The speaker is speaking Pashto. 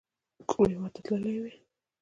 کوم هیواد ته تللي وئ؟